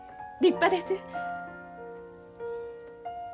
立派です。